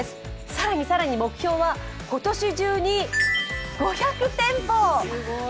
更に更に目標は今年中に５００店舗。